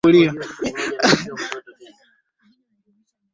Kwa kifupi chumba kile kilionekana cha msela tu